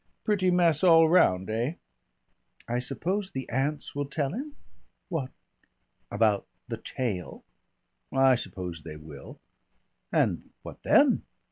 Pretty mess all round, eh?" "I suppose the aunts will tell him?" "What?" "About the tail." "I suppose they will." "And what then?"